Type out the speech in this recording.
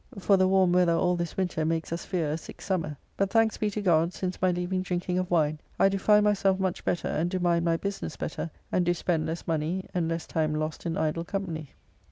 for the warm weather all this winter makes us fear a sick summer. But thanks be to God, since my leaving drinking of wine, I do find myself much better and do mind my business better, and do spend less money, and less time lost in idle company.